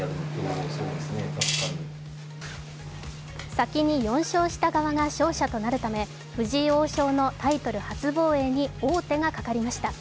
先に４勝した側が勝者となるため藤井王将のタイトル初防衛に王手がかかりました。